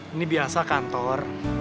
ini biasa kantor